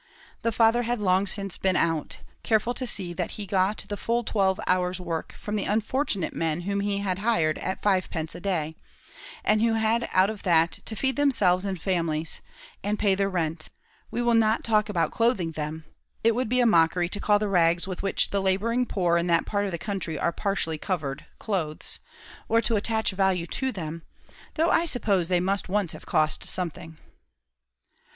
The father had long since been out; careful to see that he got the full twelve hours' work from the unfortunate men whom he hired at five pence a day, and who had out of that to feed themselves and families, and pay their rent; we will not talk about clothing them, it would be a mockery to call the rags with which the labouring poor in that part of the country are partially covered, clothes, or to attach value to them, though I suppose they must once have cost something.